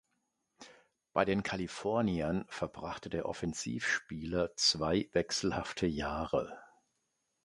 Bei den Kaliforniern verbrachte der Offensivspieler zwei wechselhafte Jahre.